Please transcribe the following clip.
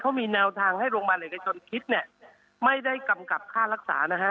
เขามีแนวทางให้โรงพยาบาลเอกชนคิดเนี่ยไม่ได้กำกับค่ารักษานะฮะ